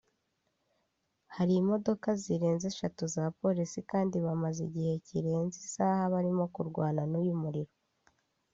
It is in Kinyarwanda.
Hari imodoka zirenze eshatu za polisi kandi bamaze igihe kirenze isaha barimo kurwana n’uyu muriro